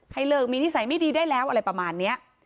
เลิกมีนิสัยไม่ดีได้แล้วอะไรประมาณนี้